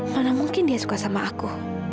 mana mungkin dia suka sama aku